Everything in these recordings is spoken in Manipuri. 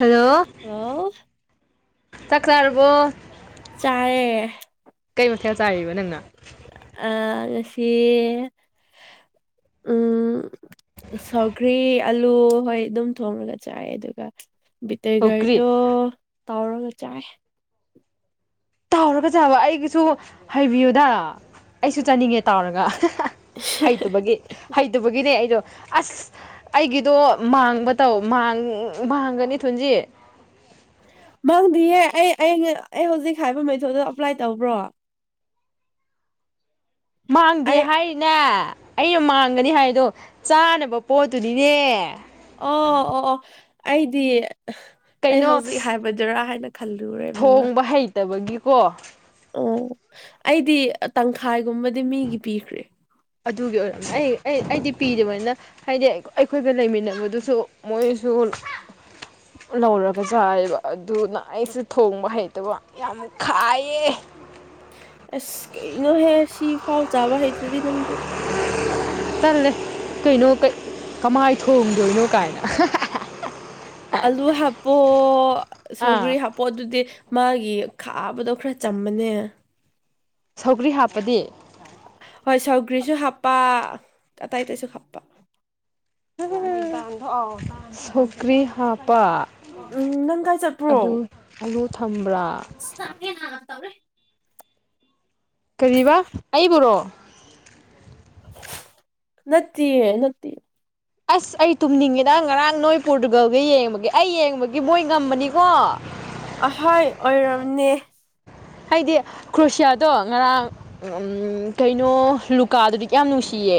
ꯍꯜꯂꯣ ꯍꯜꯂꯣ ꯆꯥꯛ ꯆꯥꯔꯕꯣ ꯆꯥꯔꯦ ꯀꯩ ꯃꯊꯦꯜ ꯆꯥꯔꯤꯕ ꯅꯪꯅ ꯑ ꯉꯁꯤ ꯎꯝ ꯁꯧꯈ꯭ꯔꯤ ꯑꯂꯨ ꯍꯣꯏ ꯑꯗꯨꯝ ꯊꯣꯡꯉꯒ ꯆꯥꯏ ꯑꯗꯨꯒ ꯁꯧꯀ꯭ꯔꯤ ꯕꯤꯇꯒꯔꯗꯣ ꯍꯧꯔꯒ ꯆꯥꯏ ꯇꯥꯎꯔꯒ ꯆꯥꯕ ꯑꯩꯒꯤꯁꯨ ꯍꯥꯏꯕꯤꯌꯨꯗ ꯑꯩꯁꯨ ꯆꯥꯅꯤꯡꯉꯦ ꯇꯥꯎꯔꯒ [unintelligible] ꯍꯩꯇꯕꯒꯤ ꯍꯩꯇꯕꯒꯤꯅꯦ ꯑꯩꯗꯣ ꯑꯁ ꯑꯩꯒꯤꯗꯣ ꯃꯥꯡꯕ ꯇꯧ ꯃꯥꯡ ꯃꯥꯡꯒꯅꯤ ꯊꯨꯟꯖꯤ ꯃꯥꯡꯗꯤꯌꯦ ꯑꯩ ꯑꯩꯅ ꯑꯩ ꯍꯧꯖꯤꯛ ꯍꯥꯏꯕ ꯃꯦꯊꯣꯠꯗꯣ ꯑꯄ꯭ꯂꯥꯏ ꯇꯧꯕ꯭ꯔꯣ ꯃꯥꯡꯗꯦ ꯑꯩ ꯍꯥꯏꯔꯤꯅꯦ ꯑꯩ ꯃꯥꯡꯒꯅꯤ ꯍꯥꯏꯗꯣ ꯆꯥꯅꯕ ꯄꯣꯠꯇꯨꯅꯤꯅꯦ ꯑꯣ ꯑꯣ ꯑꯣ ꯑꯩꯗꯤ ꯑꯩ ꯀꯩꯅꯣ ꯍꯧꯖꯤꯛ ꯍꯥꯏꯕꯗꯨꯔ ꯍꯥꯏꯅ ꯈꯜꯂꯨꯔꯦꯗꯅ ꯗꯕꯒꯤꯀꯣ ꯎꯝ ꯑꯩꯗꯤ ꯇꯪꯈꯥꯏꯒꯨꯝꯕꯗꯤ ꯃꯤꯒꯤ ꯄꯤꯈ꯭ꯔꯦ ꯑꯗꯨꯒꯤ ꯑꯣꯏ ꯑꯩ ꯑꯩ ꯑꯩꯗꯤ ꯄꯤꯗꯔꯤꯕꯅꯤꯅ ꯍꯥꯏꯗꯤ ꯑꯩꯈꯣꯏꯗ ꯂꯩꯃꯤꯟꯅꯕꯗꯨꯁꯨ ꯃꯣꯏꯁꯨ ꯂꯧꯔꯒ ꯆꯥꯏꯑꯕ ꯑꯗꯨꯅ ꯑꯩꯁꯨ ꯊꯣꯡꯕ ꯍꯩꯇꯕ ꯌꯥꯝꯅ ꯈꯥꯏꯌꯦ ꯑꯁ ꯀꯩꯅꯣꯍꯦ ꯁꯤ ꯐꯥꯎ ꯆꯥꯕ ꯍꯩꯇ꯭ꯔꯗꯤ ꯅꯪꯗꯤ ꯇꯜꯂꯦ ꯀꯩꯅꯣ ꯀꯩ ꯀꯃꯥꯏ ꯊꯣꯡꯗꯣꯏꯅꯣ ꯀꯥꯏꯅ ꯑꯂꯨ ꯍꯥꯞꯄꯣ ꯑꯥ ꯁꯧꯒꯔꯤ ꯍꯥꯞ ꯄꯣꯑꯇꯨꯗꯤ ꯃꯥꯒꯤ ꯈꯥꯕꯗꯣ ꯈꯔ ꯆꯝꯕꯅꯦ ꯁꯧꯒ꯭ꯔꯤ ꯍꯥꯞꯄꯗꯤ ꯍꯣꯏ ꯁꯧꯒ꯭ꯔꯤꯁꯨ ꯍꯥꯞꯄ ꯑꯇꯩ ꯑꯇꯩꯁꯨ ꯍꯥꯞꯄ ꯁꯧꯀ꯭ꯔꯤ ꯍꯥꯞꯄ ꯎꯝ ꯅꯪ ꯀꯥꯏ ꯑꯗꯨ ꯆꯠꯄ꯭ꯔꯣ ꯑꯂꯨ ꯊꯝꯕ꯭ꯔꯥ ꯍꯥꯟꯅ ꯇꯧꯋꯦ ꯀꯔꯤꯕ ꯑꯩꯕꯨꯔꯣ ꯅꯠꯇꯤꯌꯦ ꯅꯠꯇꯦ ꯑꯁ ꯑꯩ ꯇꯨꯝꯅꯤꯡꯉꯦꯗ ꯉꯔꯥꯡ ꯅꯣꯏ ꯄꯣꯔꯇꯨꯒꯜꯒ ꯌꯦꯡꯕꯒꯤ ꯑꯩ ꯌꯦꯡꯕꯒꯤ ꯃꯣꯏ ꯉꯝꯕꯅꯤꯀꯣ ꯑꯍꯣꯏ ꯑꯣꯏꯔꯝꯅꯦ ꯍꯥꯏꯗꯤ ꯀ꯭ꯔꯣꯁꯤꯌꯥꯗꯣ ꯉꯔꯥꯡ ꯀꯩꯅꯣ ꯂꯨꯀꯥꯗꯨꯗꯤ ꯀꯌꯥꯝ ꯅꯨꯡꯁꯤꯌꯦ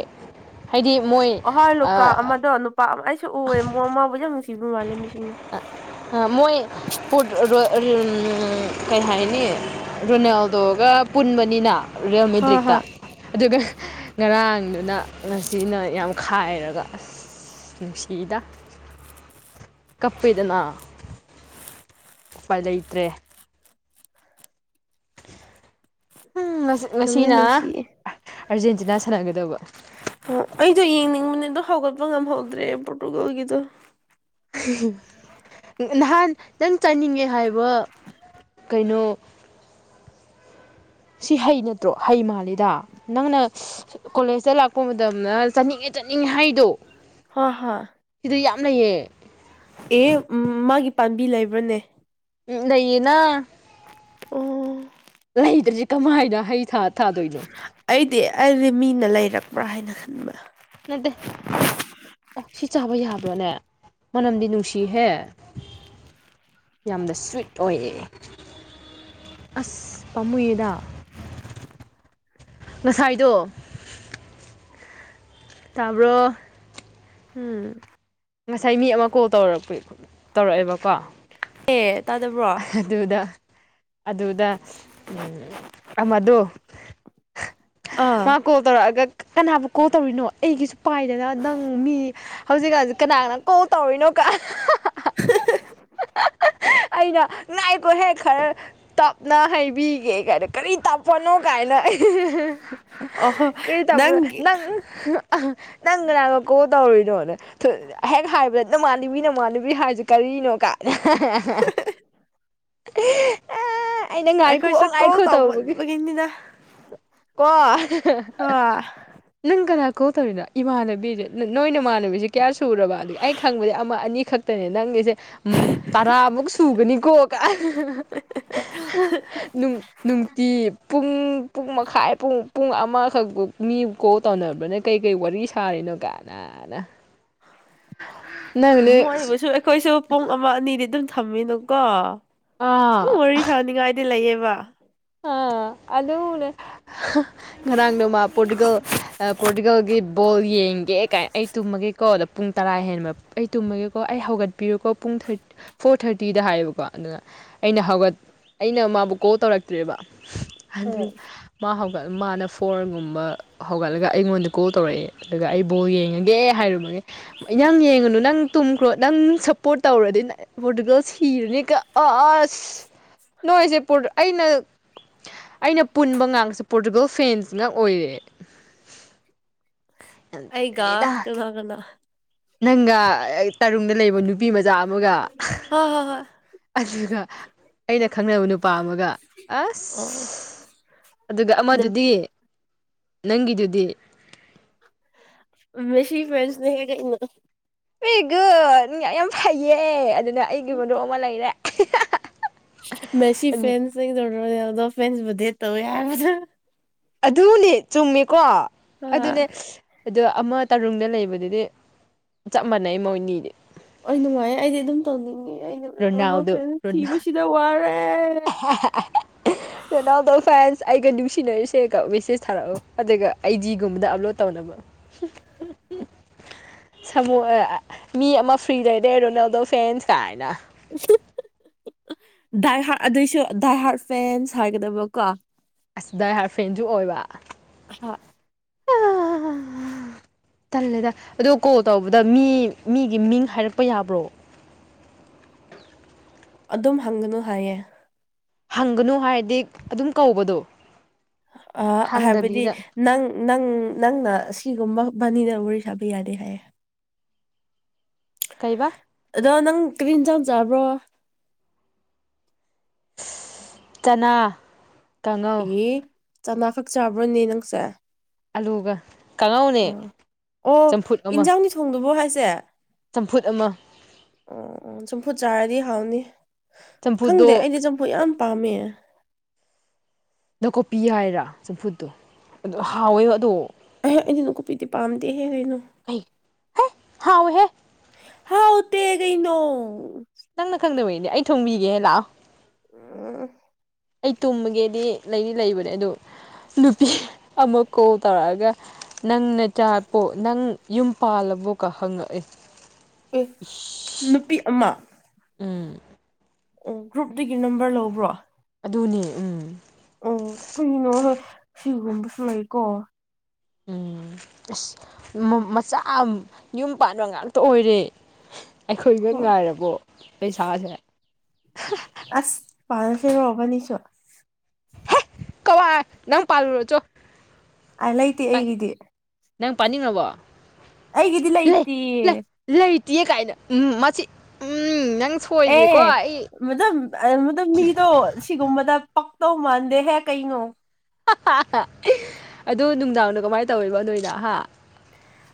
ꯍꯥꯏꯗꯤ ꯃꯣꯏ ꯑꯍꯣꯏ ꯂꯨꯀ ꯑꯃꯗꯣ ꯅꯨꯄꯥ ꯑꯃ ꯑꯩꯁꯨ ꯎꯑꯦꯃꯣꯃꯕꯨꯗꯤ ꯌꯥꯝ ꯅꯨꯡꯁꯤꯕ ꯃꯥꯜꯂꯦ ꯃꯤꯁꯤꯡꯅ ꯑ ꯃꯣꯏ ꯄꯤꯔꯠ [unintelligible] ꯀꯩ ꯍꯥꯏꯅꯤ ꯔꯣꯅꯥꯜꯗꯣꯒ ꯄꯨꯟꯕꯅꯤꯅ ꯔꯤꯌꯜ ꯍꯣꯏ ꯃꯦꯗ꯭ꯔꯤꯛꯇ ꯍꯣꯏ ꯑꯗꯨꯒ ꯉꯔꯥꯡꯗꯨꯅ ꯉꯁꯤꯅ ꯌꯥꯝ ꯈꯥꯏꯔꯒ ꯑꯁ ꯅꯨꯡꯁꯤꯗ ꯀꯞꯄꯤꯗꯅ ꯎꯄꯥꯏ ꯂꯩꯇ꯭ꯔꯦ ꯎ ꯉ ꯅꯨꯡꯗꯤ ꯉꯁꯤꯅ ꯅꯨꯡꯁꯤꯌꯦ ꯑꯥꯔꯖꯦꯟꯇꯤꯅꯥ ꯁꯥꯟꯅꯒꯗꯧꯕ ꯑꯣ ꯑꯩꯗꯣ ꯌꯦꯡꯅꯤꯡꯕꯅꯦꯗꯣ ꯍꯧꯒꯠꯄ ꯉꯝꯍꯧꯗ꯭ꯔꯦ ꯄꯣꯔꯇꯨꯒꯥꯜꯒꯤꯗꯣ ꯅꯍꯥꯟ ꯅꯪ ꯆꯥꯅꯤꯡꯉꯦ ꯍꯥꯏꯕ ꯀꯩꯅꯣ ꯁꯤ ꯍꯩ ꯅꯠꯇ꯭ꯔꯣ ꯍꯩ ꯃꯥꯜꯂꯤꯗ ꯅꯪꯅ ꯀꯣꯂꯦꯖꯇ ꯂꯥꯛꯄ ꯃꯇꯝꯅ ꯆꯠꯅꯤꯡꯉꯦ ꯆꯠꯅꯤꯡꯉꯦ ꯍꯥꯏꯗꯣ ꯍꯣꯏ ꯍꯣꯏ ꯁꯤꯗꯤ ꯌꯥꯝ ꯂꯩꯩꯌꯦ ꯑꯦ ꯃꯥꯒꯤ ꯄꯥꯝꯕꯤ ꯂꯩꯕ꯭ꯔꯅꯦ ꯎꯝ ꯂꯩꯌꯦꯅ ꯑꯣ ꯂꯩꯗ꯭ꯔꯁꯤ ꯀꯃꯥꯏꯅ ꯍꯩ ꯊꯥ ꯊꯥꯗꯣꯏꯅꯣ ꯑꯩꯗꯤ ꯑꯩꯗꯤ ꯃꯤꯅ ꯂꯩꯔꯛꯄ꯭ꯔꯥ ꯍꯥꯏꯅ ꯈꯟꯕ ꯅꯠꯇꯦ ꯑꯣ ꯁꯤ ꯆꯥꯕ ꯌꯥꯕ꯭ꯔꯣꯅꯦ ꯃꯅꯝꯗꯤ ꯅꯨꯡꯁꯤꯍꯦ ꯌꯥꯝꯅ ꯁ꯭ꯋꯤꯠ ꯑꯣꯏꯌꯦ ꯑꯁ ꯄꯥꯝꯃꯨꯌꯦꯗ ꯉꯁꯥꯏꯗꯣ ꯇꯥꯕ꯭ꯔꯣ ꯎꯝ ꯉꯁꯥꯏ ꯃꯤ ꯑꯃ ꯀꯣꯜ ꯇꯧꯔꯄꯤ ꯇꯧꯔꯛꯑꯦꯕꯀꯣ ꯑꯦ ꯇꯥꯗꯕ꯭ꯔꯣ ꯑꯗꯨꯗ ꯑꯗꯨꯗ ꯑꯃꯗꯣ ꯑꯥ ꯃꯥ ꯀꯣꯜ ꯇꯧꯔꯛꯑꯒ ꯀꯅꯥꯕꯨ ꯀꯣꯜ ꯇꯧꯔꯤꯅꯣ ꯑꯩꯒꯤꯁꯨ ꯄꯥꯏꯗꯅ ꯅꯪ ꯃꯤ ꯍꯧꯖꯤꯛꯀꯥꯟꯁꯤ ꯀꯅꯥꯅ ꯀꯣꯜ ꯇꯧꯔꯤꯅꯣ ꯀ [unintelligible] ꯑꯩꯅ ꯉꯥꯏꯈꯣꯍꯦꯛ ꯈꯔ ꯇꯞꯅ ꯍꯩꯕꯤꯒꯦ ꯀꯥꯏꯗ ꯀꯔꯤ ꯇꯞ ꯄꯣꯠꯅꯣ ꯀꯥꯏꯅ ꯑꯩ ꯑꯣꯍꯣ ꯀꯔꯤ ꯇꯧꯕꯅꯣ ꯅꯪꯒꯤ ꯅꯪ ꯅꯪ ꯀꯅꯥꯔꯥ ꯀꯣꯜ ꯇꯧꯔꯨꯏ ꯍꯦꯛ ꯍꯥꯏꯕꯗ ꯅꯃꯥꯟꯅꯕꯤ ꯅꯃꯥꯟꯅꯕꯤ ꯍꯥꯖꯦ ꯀꯔꯤꯅꯣ ꯀꯥ [unintelligible] ꯑ ꯑꯩꯅ ꯉꯥꯏꯈꯨꯋꯣ ꯉꯥꯏꯈꯣ ꯇꯧꯕꯒꯤ ꯏꯪꯉꯤꯗ ꯀꯣ ꯍꯣꯏ ꯅꯪ ꯀꯅꯥ ꯀꯣꯜ ꯇꯧꯔꯤꯅꯣ ꯏꯃꯥꯟꯅꯕꯤꯅꯦ ꯅꯣꯏ ꯅꯃꯥꯟꯅꯕꯤꯁꯦ ꯀꯌꯥ ꯁꯨꯔꯕ ꯑꯩꯅ ꯈꯪꯕꯗꯤ ꯑꯃ ꯑꯅꯤꯈꯛ ꯇꯅꯦ ꯅꯪꯒꯤꯁꯦ__ ꯎꯝ ꯇꯔꯥꯃꯨꯛ ꯁꯨꯒꯅꯤꯀꯣ ꯅꯨꯡ ꯅꯨꯡꯇꯤ ꯄꯨꯡ ꯄꯨꯡ ꯃꯈꯥꯏ ꯄꯨꯡ ꯄꯨꯡ ꯑꯃꯈꯛ ꯕꯨ ꯃꯤ ꯀꯣꯜ ꯇꯧꯅꯕꯅ ꯀꯩꯀꯩ ꯋꯥꯔꯤ ꯁꯥꯔꯤꯅꯣ ꯀꯅꯥꯅ__ ꯃꯣꯏꯕꯨꯁꯨ ꯑꯩꯈꯣꯏꯁꯨ ꯄꯨꯡ ꯑꯃ ꯑꯅꯤꯗꯤ ꯗꯨꯝ ꯊꯝꯃꯤꯅꯨꯀꯣ ꯑꯥ ꯗꯨꯝ ꯋꯥꯔꯤ ꯁꯅꯤꯡꯉꯥꯏꯗꯤ ꯂꯩꯌꯦꯕ ꯑꯥ ꯑꯗꯨꯅꯦ ꯉꯔꯥꯡ ꯅꯃ ꯄꯣꯔꯗꯤꯒꯜ ꯄꯣꯔꯗꯤꯒꯜꯒꯤ ꯕꯣꯜ ꯌꯦꯡꯒꯦ ꯀꯥꯏꯅ ꯑꯩ ꯇꯨꯝꯃꯒꯦꯀꯣ ꯑꯗꯣ ꯄꯨꯡ ꯇꯔꯥ ꯍꯦꯟꯕ ꯑꯩ ꯇꯨꯝꯃꯒꯦꯀꯣ ꯑꯩ ꯍꯧꯒꯠꯄꯤꯌꯨꯀꯣ ꯄꯨꯡ ꯊꯣꯏ ꯐꯣꯔ ꯊꯥꯔꯇꯤꯗ ꯍꯥꯏꯌꯦꯕꯀꯣ ꯑꯗꯨꯅ ꯑꯩꯅ ꯍꯧꯒꯠ ꯑꯩꯅ ꯃꯥꯕꯨ ꯀꯣꯜ ꯇꯧꯔꯛ__ ꯇ꯭ꯔꯦꯕ [unintelligible] ꯎꯝ ꯃꯥ ꯍꯧꯒꯠ ꯃꯥꯅ ꯐꯣꯔꯒꯨꯝꯕ__ ꯍꯧꯒꯠꯂꯒ ꯑꯩꯉꯣꯟꯗ ꯀꯣꯜ ꯇꯧꯔꯛꯑꯦ ꯑꯗꯨꯒ ꯑꯩ ꯕꯣꯜ ꯌꯦꯡꯉꯥꯒꯦ ꯍꯥꯏꯔꯨꯕ__ [unintelligible] ꯌꯦꯡꯉꯨꯅꯨ ꯅꯪ ꯇꯨꯝꯈ꯭ꯔꯣ ꯅꯪ ꯁꯞꯄꯣꯔꯠ ꯇꯧꯔꯗꯤ ꯄꯣꯔꯇꯨꯒꯜ ꯁꯤꯔꯅꯤꯒꯥ ꯑꯁ ꯅꯣꯏꯁꯦ ꯄꯣꯔ ꯑꯩꯅ ꯑꯩꯅ ꯄꯨꯟꯕ ꯉꯥꯡꯁꯨ ꯄꯣꯔꯇꯨꯒꯜ ꯐꯦꯟꯁ ꯉꯥꯛ ꯑꯣꯏꯔꯦ ꯌꯥꯝ ꯑꯩꯒ ꯇꯜꯂꯤꯗ [unintelligible] ꯅꯪꯒ ꯇꯥꯔꯨꯡꯗ ꯂꯩꯕ ꯅꯨꯄꯤ ꯃꯖꯥ ꯑꯃꯒ ꯍ ꯍꯣ ꯍꯣꯏ ꯑꯗꯨꯒ ꯑꯩꯅ ꯈꯪꯅꯕ ꯅꯨꯄꯥ ꯑꯃꯒ ꯑꯣ ꯑꯁ ꯑꯗꯨꯒ ꯑꯃꯗꯨꯗꯤ ꯅꯪꯒꯤꯗꯨꯗꯤ ꯃꯦꯁꯤ ꯐ꯭ꯔꯦꯟꯁꯅꯦ [unintelligible] ꯕꯦꯒꯨꯠ ꯌꯥꯝ ꯐꯩꯌꯦ ꯑꯗꯨꯅ ꯑꯩꯒꯤ ꯃꯔꯨꯞ ꯑꯃ ꯂꯩꯔꯦ ꯃꯦꯁꯤ ꯐꯦꯟꯁ [unintelligible] ꯐꯦꯟꯁ ꯕꯨꯗꯤ ꯇꯧ ꯋꯦ ꯍꯥꯏꯕ ꯗꯣ ꯑꯗꯨꯅꯦ ꯆꯨꯝꯃꯤꯀꯣ ꯑ ꯑꯗꯨꯅꯦ ꯑꯗꯣ ꯑꯃ ꯇꯔꯨꯡꯗ ꯂꯩꯕꯗꯨꯗꯤ ꯆꯞ ꯃꯥꯟꯅꯩ ꯃꯣꯏꯅꯤꯗꯤ ꯑꯩ ꯅꯨꯡꯉꯥꯏꯌꯦ ꯑꯩꯗꯤ ꯑꯗꯨꯝ ꯇꯧꯅꯤꯡꯉꯦ ꯑꯩꯅ ꯔꯣꯅꯥꯜꯗꯣ ꯐꯦꯟꯁ ꯊꯤꯕꯁꯤꯗ ꯋꯥꯔꯦ ꯑ [unintelligible] ꯔꯦꯅꯥꯜꯗꯣ ꯐꯦꯟꯁ ꯑꯩꯒ ꯅꯨꯡꯁꯤꯅꯔꯤꯁꯦꯒ ꯃꯦꯁꯦꯁ ꯊꯥꯔꯛꯑꯣ ꯑꯗꯨꯒ ꯑꯩ ꯖꯤꯒꯨꯝꯕꯗ ꯑꯞꯂꯣꯗ ꯇꯧꯅꯕ [unintelligible] ꯁꯥꯃꯨ ꯃꯤ ꯑꯃ ꯐ꯭ꯔꯤ ꯂꯩꯔꯦ ꯔꯣꯅꯥꯜꯗꯣ ꯐꯦꯟꯁ ꯀꯥꯏꯅ ꯗꯥꯏ ꯍꯥꯔꯠ ꯑꯗꯨꯏꯁꯨ ꯗꯥꯏ ꯍꯥꯔꯠ ꯐꯦꯟꯁ ꯍꯥꯏꯒꯗꯕ ꯀꯣ ꯑꯁ ꯗꯥꯏ ꯍꯥꯔꯠ ꯐ꯭ꯔꯦꯟꯖꯨ ꯑꯣꯏꯕ ꯍꯥ ꯇꯜꯂꯦꯗ ꯑꯗꯣ ꯀꯣꯜ ꯇꯧꯕꯗ ꯃꯤ ꯃꯤꯒꯤ ꯃꯤꯡ ꯍꯥꯏꯔꯛꯄ ꯌꯥꯕ꯭ꯔꯣ ꯑꯗꯨꯝ ꯍꯪꯒꯅꯨ ꯍꯥꯏꯌꯦ ꯍꯪꯒꯅꯨ ꯍꯥꯏꯗꯤꯛ ꯑꯗꯨꯝ ꯀꯧꯕꯗꯣ ꯑꯥ ꯍꯥꯏꯕꯗꯤ ꯍꯪꯗꯕꯤꯗ ꯅꯪ ꯅꯪ ꯅꯪꯅ ꯁꯤꯒꯨꯝꯕ ꯕꯥꯅꯤꯅ ꯋꯥꯔꯤ ꯁꯥꯕ ꯌꯥꯗꯦ ꯍꯥꯏꯌꯦ ꯀꯩꯕꯥ ꯑꯗꯣ ꯅꯪ ꯀ꯭ꯔꯤ ꯏꯟꯖꯥꯥꯡ ꯆꯥꯕ꯭ꯔꯣ ꯆꯅꯥ ꯀꯥꯡꯉꯧ ꯑꯦ ꯆꯅꯥ ꯈꯛ ꯆꯥꯕ꯭ꯔꯣꯅꯦ ꯅꯪꯁꯦ ꯑꯂꯨꯒ ꯀꯥꯡꯉꯧꯅꯦ ꯑꯣ ꯆꯝꯐꯨꯠ ꯑꯃ ꯏꯟꯖꯥꯡꯅꯤ ꯊꯣꯡꯗꯨꯕꯣ ꯍꯥꯏꯁꯦ ꯆꯝꯐꯨꯠ ꯑꯃ ꯎꯝ ꯆꯝꯐꯨꯠ ꯆꯥꯔꯗꯤ ꯍꯥꯎꯅꯤ ꯆꯝꯐꯨꯠꯇꯣ ꯈꯪꯗꯦ ꯑꯩꯗꯤ ꯆꯝꯐꯨ ꯌꯥꯝ ꯄꯥꯝꯃꯦ ꯅꯥꯀꯨꯞꯄꯤ ꯍꯥꯏꯔꯥ ꯆꯝꯐꯨꯠꯇꯣ ꯑꯗꯨ ꯍꯥꯎꯋꯦ ꯑꯗꯣ ꯑꯍ ꯑꯩꯗꯤ ꯅꯨꯀꯨꯞꯄꯤꯗꯤ ꯄꯥꯝꯗꯦ ꯍꯦ ꯀꯩꯅꯣ ꯍꯩ ꯍꯦ ꯍꯥꯎꯋꯤꯍꯦ ꯍꯥꯎꯇꯦ ꯒꯩꯅꯣ ꯅꯪꯅ ꯈꯪꯗꯕꯩꯅꯦ ꯑꯩ ꯊꯣꯡꯕꯤꯒꯦ ꯂꯥꯛꯑꯣ ꯎꯝ ꯑꯩ ꯇꯨꯝꯃꯒꯦꯗꯤ ꯂꯩꯗꯤ ꯂꯩꯕꯅꯦ ꯑꯗꯨ ꯅꯨꯄꯤ ꯑꯃ ꯀꯣꯜ ꯇꯧꯔꯑꯒ ꯅꯪ ꯅꯆꯥ ꯄꯣ ꯅꯪ ꯌꯨꯝ ꯄꯥꯜꯂꯕꯣꯀ ꯍꯪꯉꯛꯑꯦ ꯑꯦ ꯅꯨꯄꯤ ꯑꯃ ꯎꯝ ꯑꯣ ꯒ꯭ꯔꯨꯞꯗꯨꯒꯤ ꯅꯝꯕꯔ ꯂꯧꯕ꯭ꯔꯣ ꯑꯗꯨꯅꯦ ꯎꯝ ꯎꯝ ꯀꯔꯤꯅꯣꯅꯦ ꯁꯤꯒꯨꯝꯕꯁꯨ ꯂꯩꯀꯣ ꯎꯝ ꯑꯁ ꯃ ꯃꯆꯥ ꯌꯨꯝ ꯄꯥꯟꯕ ꯉꯥꯛꯇ ꯑꯣꯏꯔꯦ ꯑꯩꯈꯣꯏꯒ ꯍ ꯉꯥꯏꯔꯕꯣ ꯂꯩꯁꯥꯁꯦ ꯑꯁ ꯄꯥꯜꯂꯁꯤꯔꯣ ꯕꯅꯤꯁꯨ ꯀꯋꯥꯏ ꯅꯪ ꯄꯥꯜꯂꯨꯔꯣ ꯆꯣ ꯑꯥꯏ ꯂꯩꯇꯦ ꯑꯩꯒꯤꯗꯤ ꯅꯪ ꯄꯥꯅꯤꯡꯔꯕꯣ ꯑꯩꯒꯤꯗꯤ ꯂꯩꯇꯤꯌꯦ ꯂꯩꯇꯤꯌꯦ ꯀꯥꯏꯅ ꯎꯝ ꯃꯁꯤ ꯎꯝ ꯅꯪ ꯁꯣꯏꯗ꯭ꯔꯦꯀꯣ ꯑꯦ ꯑꯩ ꯃꯗꯨꯝ ꯑ ꯃꯗꯨꯝ ꯃꯤꯗꯣ ꯁꯤꯒꯨꯝꯕꯗ ꯄꯛꯇꯧ ꯃꯥꯟꯗꯦꯍꯦ ꯀꯩꯅꯣ ꯑꯗꯨ ꯅꯨꯡꯗꯥꯡꯅ ꯀꯃꯥꯏ ꯇꯧꯔꯤꯕ ꯅꯣꯏꯅ ꯍꯥ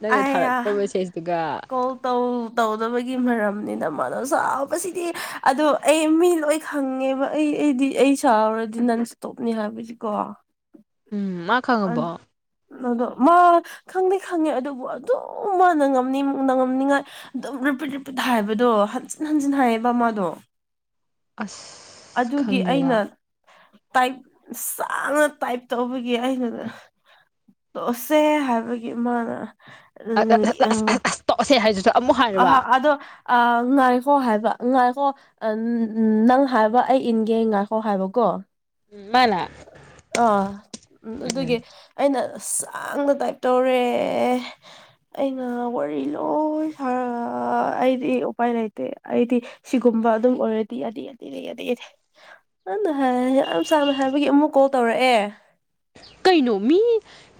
ꯅꯪꯅ ꯑꯌꯥ ꯊꯥꯔꯛꯄ ꯃꯦꯁꯦꯁꯇꯨꯒ ꯀꯣꯜ ꯇꯧ ꯇꯧꯗꯕꯒꯤ ꯃꯔꯝꯅꯤꯅ ꯃꯥꯅ ꯁꯥꯎꯕꯁꯤꯗꯤ ꯑꯗꯣ ꯑꯩ ꯃꯤ ꯂꯣꯏ ꯈꯪꯉꯦꯕ ꯑꯩ ꯑꯩꯗꯤ ꯑꯩ ꯁꯥꯎꯔꯗꯤ ꯅꯟꯁ꯭ꯇꯣꯞꯅꯤ ꯍꯥꯏꯕꯖꯤꯀꯣ ꯎꯝ ꯃꯥ ꯑꯟ ꯈꯪꯉꯕꯣ ꯑꯗꯣ ꯃꯥ ꯈꯪꯗꯤ ꯈꯪꯉꯦ ꯑꯗꯨꯕꯨ ꯑꯗꯨꯝ ꯃꯥꯅ ꯉꯝꯅꯤ ꯅꯉꯝꯅꯤꯉꯥꯏ ꯗꯨꯝ ꯔꯤꯄꯤꯠ ꯔꯤꯄꯤꯠ ꯍꯥꯏꯕꯗꯣ ꯍꯟꯖꯤꯟ ꯍꯟꯖꯤꯟ ꯍꯥꯏꯌꯦꯕ ꯃꯥꯗꯣ ꯑꯁ ꯑꯗꯨꯒꯤ ꯑꯩꯅ ꯈꯪꯗꯦꯗ ꯇꯥꯏꯞ ꯁꯥꯡꯅ ꯇꯥꯏꯞ ꯇꯧꯕꯒꯤ ꯑꯩꯅ ꯇꯣꯑꯁꯦ ꯍꯥꯏꯕꯒꯤ ꯃꯥꯅ [unintelligible] ꯑꯣꯁꯦ ꯍꯥꯏꯗꯨꯁꯨ ꯑꯃꯨꯛ ꯍꯟ ꯑꯍ ꯑꯗꯣ ꯑ ꯉꯥꯏꯈꯣ ꯍꯥꯏꯕ ꯉꯥꯏꯈꯣ ꯑꯟ ꯅꯪ ꯍꯥꯏꯕ ꯑꯩ ꯏꯟꯒꯦ ꯉꯥꯏꯈꯣ ꯍꯥꯏꯕꯀꯣ ꯃꯥꯅꯥ ꯑ ꯎꯝ ꯑꯗꯨꯒꯤ ꯑꯩꯅ ꯁꯥꯡꯅ ꯇꯥꯏꯞ ꯇꯧꯔꯦ ꯑꯩꯅ ꯋꯥꯔꯤ ꯂꯣꯏ ꯐꯔ ꯑꯩꯗꯤ ꯎꯄꯥꯏ ꯂꯩꯇꯦ ꯑꯩꯗꯤ ꯁꯤꯒꯨꯝꯕ ꯑꯗꯨꯝ ꯑꯣꯏꯔꯗꯤ ꯌꯥꯗꯦ ꯌꯥꯗꯦ ꯌꯥꯗꯦ ꯌꯥꯗꯦ ꯅꯪꯅ ꯍꯥꯏꯔꯗꯤ ꯑꯝ ꯆꯥꯝꯃ ꯍꯥꯏꯕꯒꯤ ꯑꯃꯨꯛ ꯀꯣꯜ ꯇꯧꯔꯛꯑꯦ ꯀꯩꯅꯣ ꯃꯤ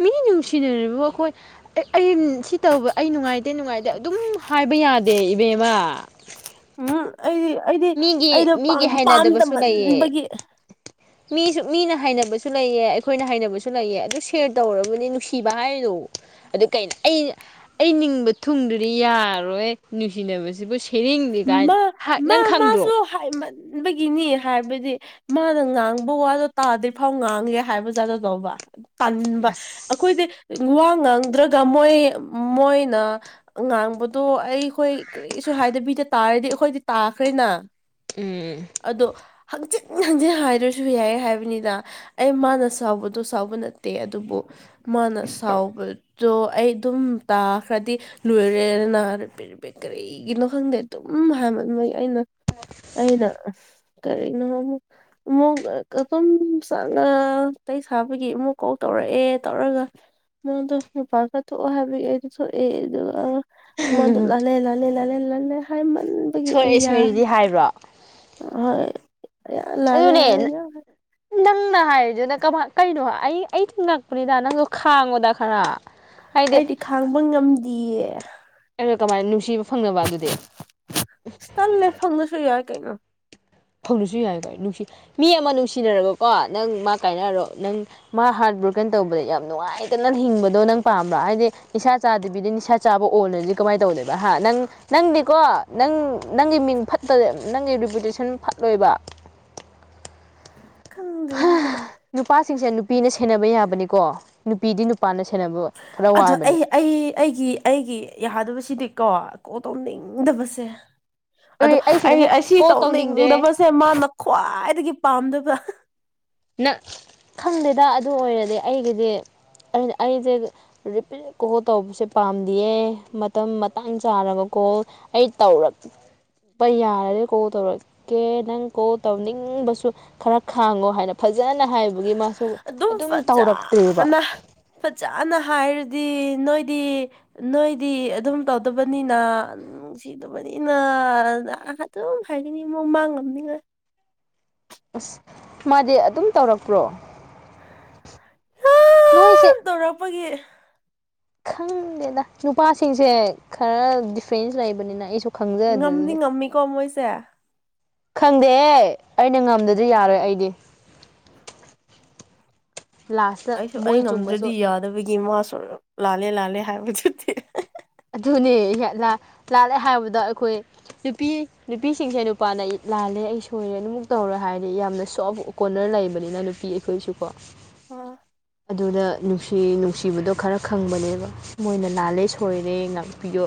ꯃꯤ ꯅꯨꯡꯁꯤꯅꯔꯤꯕ ꯑꯩꯈꯣꯏ ꯑꯩ ꯑꯩ ꯁꯤ ꯇꯧꯕ ꯑꯩ ꯅꯨꯡꯉꯥꯏꯇꯦ ꯅꯨꯡꯉꯥꯏꯇꯦ ꯑꯗꯨꯝ ꯍꯥꯏꯕ ꯌꯥꯗꯦ ꯏꯕꯦꯝꯃ ꯎꯝ ꯍꯨꯝ ꯑꯩꯗꯤ ꯑꯩꯗꯤ ꯃꯤꯒꯤ ꯑꯩꯗꯣ ꯃꯤꯒꯤ ꯄꯥꯝ ꯍꯩꯅꯗꯕꯁꯨ ꯂꯩꯌꯦ ꯄꯥꯝꯗꯃꯟꯕꯒꯤ ꯃꯤꯁꯨ ꯃꯤꯅ ꯍꯥꯏꯅꯕꯁꯨ ꯂꯩꯌꯦ ꯑꯩꯈꯣꯏꯅ ꯍꯥꯏꯅꯕꯁꯨ ꯂꯩꯌꯦ ꯑꯗꯨ ꯁꯦꯌꯔ ꯇꯧꯔꯒꯅꯤ ꯅꯨꯡꯁꯤꯕ ꯍꯥꯏꯗꯣ ꯑꯗꯨ ꯀꯩꯅꯣ ꯑꯩ ꯑꯩ ꯅꯤꯡꯕ ꯊꯨꯡꯗ꯭ꯔꯗꯤ ꯌꯥꯔꯣꯏ ꯅꯨꯡꯁꯤꯅꯕꯁꯤꯕꯨ ꯁꯦꯝꯅꯤꯡꯗꯦ ꯀꯥꯏꯅ ꯃꯥ ꯍꯥ ꯃꯥ ꯅꯪ ꯈꯪꯗ꯭ꯔꯣ ꯃꯥꯁꯨ ꯍꯥꯏꯃꯟꯕꯒꯤꯅꯤ ꯍꯥꯏꯕꯗꯤ ꯃꯥꯅ ꯉꯥꯡꯕ ꯋꯥꯗꯣ ꯇꯥꯗ꯭ꯔꯤ ꯐꯥꯎ ꯉꯥꯡꯒꯦ ꯍꯥꯏꯕ ꯖꯥꯠꯇꯣ ꯇꯧꯕ ꯇꯟꯕ ꯑꯩꯈꯣꯏꯗꯤ ꯑꯁ ꯋꯥ ꯉꯥꯡꯗ꯭ꯔꯒ ꯃꯣꯏ ꯃꯣꯏꯅ ꯉꯥꯡꯕꯗꯣ ꯑꯩꯈꯣꯏ ꯀ꯭ꯔꯤꯁꯨ ꯍꯥꯏꯗꯕꯤꯗ ꯇꯥꯔꯗꯤ ꯑꯩꯈꯣꯏꯗꯤ ꯇꯥꯈ꯭ꯔꯦꯅ ꯎꯝ ꯑꯗꯣ ꯍꯖꯤꯟ ꯍꯟꯖꯤꯟ ꯍꯥꯏꯗ꯭ꯔꯁꯨ ꯌꯥꯏ ꯍꯥꯏꯕꯅꯤꯗ ꯑꯩ ꯃꯥꯅ ꯁꯥꯎꯕꯗꯣ ꯁꯥꯎꯕ ꯅꯠꯇꯦ ꯑꯗꯨꯕꯨ ꯃꯥꯅ ꯁꯥꯎꯕꯗꯣ ꯑꯩ ꯑꯗꯨꯝ ꯇꯥꯈ꯭ꯔꯗꯤ ꯂꯣꯏꯔꯦꯗꯅ [unintelligible] [unintelligible] ꯀꯔꯤꯒꯤꯅꯣ ꯈꯪꯗꯦ ꯑꯗꯨꯝ ꯍꯥꯏꯃꯟꯕꯒꯤ ꯑꯩꯅ ꯑꯩꯅ ꯀꯔꯤꯅꯣ ꯑꯃꯨꯛ ꯑꯃꯨꯛ ꯑꯗꯨꯨꯝ ꯆꯥꯛꯉ ꯋꯥꯔꯤ ꯁꯥꯕꯒꯤ ꯑꯃꯨꯛ ꯀꯣꯜ ꯇꯧꯔꯛꯑꯦ ꯇꯧꯔꯒ ꯃꯥꯗꯣ ꯃꯄꯥꯜ ꯈꯔ ꯊꯣꯛꯑꯣ ꯍꯥꯏꯕꯒꯤ ꯑꯩꯗꯣ ꯊꯣꯛꯑꯦ ꯑꯗꯨꯒ ꯃꯥꯗꯨ ꯂꯥꯜꯂꯦ ꯂꯥꯜꯂꯦ ꯂꯥꯜꯂꯦ ꯂꯥꯜꯂꯦ ꯍꯥꯏꯃꯟ ꯕꯒꯤꯀꯣ ꯑꯩ ꯁꯣꯏꯔꯦ ꯌꯥꯔꯦ ꯁꯣꯏꯔꯦꯗꯤ ꯍꯥꯏꯕ꯭ꯔꯣ ꯍꯣꯏ ꯂꯥꯜꯂꯦ ꯂꯥꯜꯂꯦ ꯑꯗꯨꯅꯦ ꯂꯥꯜꯂꯦ ꯅꯪꯅ ꯍꯥꯏꯔꯤꯗꯨꯅ ꯀꯃꯥꯏ ꯀꯩꯅꯣ ꯑꯩ ꯑꯩ ꯁꯨ ꯉꯛꯄꯅꯤꯗ ꯅꯪꯁꯨ ꯈꯥꯡꯉꯣꯗ ꯈꯔ ꯍꯥꯏꯗꯤ ꯑꯩꯗꯤ ꯈꯥꯡꯕ ꯉꯝꯗꯤꯌꯦ ꯑꯗꯨꯒ ꯀꯃꯥꯏ ꯅꯨꯡꯁꯤꯕ ꯐꯪꯅꯕ ꯑꯗꯨꯗꯤ ꯇꯜꯂꯦ ꯐꯪꯗ꯭ꯔꯁꯨ ꯌꯥꯏ ꯀꯩꯅꯣ ꯐꯪꯗ꯭ꯔꯁꯨ ꯌꯥꯏ ꯀꯩꯅꯣ ꯅꯨꯡꯁꯤ ꯃꯤ ꯑꯃ ꯅꯨꯡꯁꯤꯅꯔꯒꯀꯣ ꯅꯪ ꯃꯥ ꯀꯥꯏꯅꯔꯣ ꯅꯪ ꯃꯥ ꯍꯥꯔꯠ ꯕ꯭ꯣꯔꯀꯟ ꯇꯧꯕꯗ ꯌꯥꯝ ꯅꯨꯡꯉꯥꯏꯇꯅ ꯍꯤꯡꯕꯗꯣ ꯅꯪ ꯄꯥꯝꯕ꯭ꯔ ꯍꯥꯏꯗꯤ ꯅꯤꯁꯥ ꯆꯥꯗꯕꯤꯗ ꯅꯤꯁꯥ ꯆꯥꯕ ꯑꯣꯜꯂꯗꯤ ꯀꯃꯥꯏ ꯇꯧꯗꯨꯏꯕ ꯍꯥ ꯅꯪ ꯅꯪꯗꯤꯀꯣ ꯅꯪ ꯅꯪꯒꯤ ꯃꯤꯡ ꯐꯠ ꯇꯗꯤ ꯅꯪꯒꯤ ꯔꯤꯄꯨꯇꯦꯁꯟ ꯐꯠꯂꯣꯏꯕ ꯈꯪꯗꯦꯗ ꯅꯨꯄꯥꯁꯤꯡꯁꯦ ꯅꯨꯄꯤꯅ ꯁꯦꯟꯅꯕ ꯌꯥꯕꯅꯤꯀꯣ ꯅꯨꯄꯤꯗꯤ ꯅꯨꯄꯥꯅ ꯁꯦꯟꯅꯕ ꯈꯔ ꯑꯗꯣ ꯋꯥꯕꯅꯤ ꯑꯩ ꯑꯩ ꯑꯩꯒꯤ ꯑꯩꯒꯤ ꯌꯥꯗꯕꯁꯤꯗꯤꯀꯣ ꯀꯣꯜ ꯇꯧꯅꯤꯡꯗꯕꯁꯦ ꯑꯗꯣ ꯑꯩ ꯑꯩꯁꯨꯅꯦꯍꯦ ꯑꯁꯤ ꯀꯣꯜ ꯇꯧꯅꯤꯡꯗꯦ ꯇꯧꯅꯤꯡꯗꯕꯁꯦ ꯃꯥꯅ ꯈ꯭ꯋꯥꯏꯗꯒꯤ ꯄꯥꯝꯗꯕ ꯅ ꯈꯪꯗꯦꯗ ꯑꯗꯨ ꯑꯣꯏꯔꯗꯤ ꯑꯩꯒꯤꯗꯤ ꯑꯩꯅ ꯑꯩꯖꯦ ꯔꯤꯄꯤꯠ ꯀꯣꯜ ꯇꯧꯕꯁꯦ ꯄꯥꯝꯗꯤꯌꯦ ꯃꯇꯝ ꯃꯇꯥꯡ ꯆꯥꯔꯒ ꯀꯣꯜ ꯑꯩ ꯇꯧꯔꯛꯇꯦꯄ ꯌꯥꯔꯗꯤ ꯀꯣꯜ ꯇꯧꯔꯛ ꯑꯣ ꯀꯦ ꯅꯪ ꯀꯣꯜ ꯇꯧꯅꯤꯡꯕꯁꯨ ꯈꯔ ꯈꯥꯡꯉꯣ ꯍꯥꯏꯅ ꯐꯖꯅ ꯍꯥꯏꯕꯒꯤ ꯃꯥ ꯑꯗꯨꯝ ꯐꯖꯅ ꯐꯖꯅ ꯍꯥꯏꯔꯗꯤ ꯅꯣꯏꯗꯤ ꯅꯣꯏꯗꯤ ꯑꯗꯨꯝ ꯇꯧꯗꯕꯅꯤꯅ [unintelligible] ꯅꯨꯡꯁꯤꯗꯕꯅꯤꯅ ꯑꯗꯨꯝ ꯈꯔꯗꯤ ꯑꯃꯛ ꯃꯥꯡꯉꯝꯅꯤꯕ ꯑꯁ ꯃꯥꯗꯤ ꯑꯗꯨꯝ ꯇꯧꯔꯛꯄ꯭ꯔꯣ ꯅꯣꯏꯁꯦ ꯌꯥꯝ ꯇꯧꯔꯛꯄꯒꯤ ꯈꯪꯗꯦꯗ ꯅꯨꯄꯥꯁꯤꯡꯁꯦ ꯈꯔ ꯗꯤꯐ꯭ꯔꯦꯟꯁ ꯂꯩꯕꯅꯤꯅ ꯑꯩꯁꯨ ꯈꯪꯖꯗ꯭ꯔꯦ ꯉꯝꯗꯤ ꯑꯗꯨꯗꯤ ꯉꯝꯃꯤꯀꯣ ꯃꯣꯏꯁꯦ ꯈꯪꯗꯦꯍꯦ ꯑꯩꯅ ꯉꯝꯗꯗꯤ ꯌꯥꯔꯣꯏ ꯑꯩꯗꯤ ꯂꯥꯁꯇ ꯑꯩꯁꯨ ꯑꯩ ꯃꯣꯏ ꯆꯨꯝꯃꯁꯨ ꯉꯝꯗ꯭ꯔꯗꯤ ꯌꯥꯗꯕꯒꯤ ꯃꯥꯁꯨꯝ ꯂꯥꯜꯂꯦ ꯂꯥꯜꯂꯦ ꯍꯥꯏꯕ ꯆꯠꯇꯦ ꯑꯗꯨꯅꯦ ꯂꯥ ꯂꯥꯜꯂꯦ ꯍꯥꯏꯕꯗ ꯑꯩꯈꯣꯏ ꯅꯨꯄꯤ ꯅꯨꯄꯤꯁꯤꯡꯁꯦ ꯅꯨꯄꯥꯅ ꯑꯩ ꯂꯥꯜꯂꯦ ꯑꯩ ꯁꯣꯏꯔꯦ ꯑꯗꯨꯃꯨꯛ ꯇꯧꯔꯣꯢ ꯍꯥꯏꯔꯗꯤ ꯌꯥꯝꯅ ꯁꯣꯐ ꯀꯣꯟꯅꯔ ꯂꯩꯕꯅꯤꯅ ꯅꯨꯄꯤ ꯑꯩꯈꯣꯏꯁꯨꯀꯣ ꯑ ꯑꯗꯨꯅ ꯅꯨꯡꯁꯤ ꯅꯨꯡꯁꯤꯕꯗꯣ ꯈꯔ ꯈꯪꯕꯅꯦꯕ ꯃꯣꯏꯅ ꯂꯥꯜꯂꯦ ꯁꯣꯏꯔꯦ ꯉꯥꯛꯄꯤꯌꯣ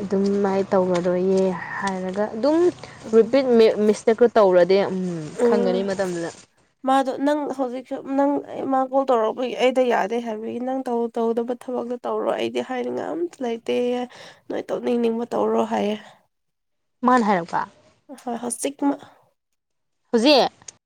ꯑꯗꯨꯝ ꯃꯥꯏ ꯇꯧꯔꯔꯣꯏꯌꯦ ꯍꯥꯏꯔꯒ ꯑꯗꯨꯝ ꯎꯝ ꯔꯤꯄꯤꯠ ꯃꯤ ꯃꯤꯁꯇꯦꯛꯇꯣ ꯇꯧꯔꯗꯤ ꯎꯝ ꯈꯪꯒꯅꯤ ꯎꯝ ꯃꯇꯝꯗꯨꯗ ꯃꯥꯗꯣ ꯅꯪ ꯍꯧꯖꯤꯛꯁꯨ ꯅꯪ ꯃꯥ ꯀꯣꯜ ꯇꯧꯔꯛꯄꯒꯤ ꯑꯩꯗꯣ ꯌꯥꯗꯦ ꯍꯥꯏꯕꯒꯤ ꯅꯪ ꯇꯧ ꯇꯧꯗꯕ ꯊꯕꯛꯇꯣ ꯇꯧꯔꯣ ꯑꯩꯗꯤ ꯍꯥꯏꯅꯤꯡꯉꯥꯏ ꯑꯃꯇ ꯂꯩꯇꯦꯌꯦ ꯅꯣꯏ ꯇꯧꯅꯤꯡꯅꯤꯡꯕ ꯇꯧꯔꯣ ꯍꯥꯏꯌꯦ ꯃꯥꯅ ꯍꯥꯏꯔꯛꯄ ꯍꯣꯏ ꯍꯧꯖꯤꯛꯃꯛ ꯍꯨꯖꯤꯛ